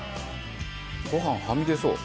ご飯はみ出そう。